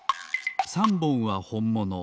３ぼんはほんもの